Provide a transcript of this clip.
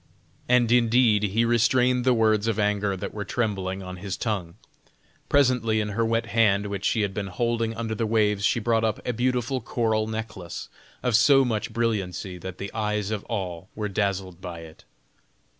And indeed, he restrained the words of anger that were trembling on his tongue. Presently in her wet hand which she had been holding under the waves, she brought up a beautiful coral necklace of so much brilliancy that the eyes of all were dazzled by it.